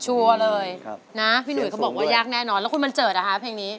ชัวร์เลยนะพี่หนุ๋ยก็บอกว่ายากแน่นอนแล้วคุณมันเจอร์ฐ้าฮะเพลงนี้